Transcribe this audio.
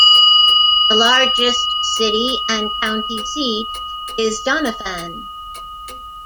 The largest city and county seat is Doniphan.